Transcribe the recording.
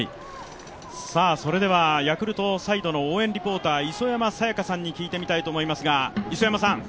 それではヤクルトサイドの応援リポーター、磯山さやかさんに聞いてみたいと思います。